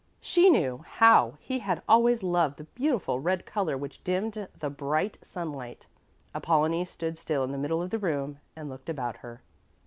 She knew how he had always loved the beautiful red color which dimmed the bright sunlight. Apollonie stood still in the middle of the room and looked about her.